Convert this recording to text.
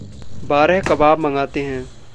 बारह कबाब मंगाते हैं!